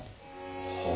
はあ。